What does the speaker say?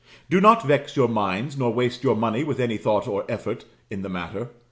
Do not vex your minds, nor waste your money with any thought or effort in the matter.